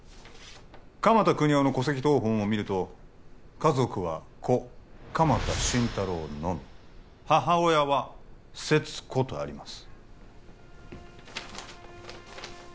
鎌田國士の戸籍謄本を見ると家族は子鎌田心太朗のみ母親は勢津子とあります